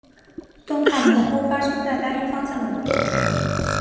动态模糊发生在单一方向的模糊。